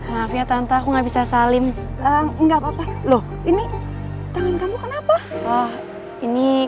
mafia tanah aku nggak bisa salim enggak apa apa loh ini tangan kamu kenapa oh ini